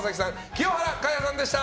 清原果耶さんでした。